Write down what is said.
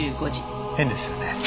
変ですよね？